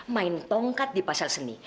main tongkat di pasar seni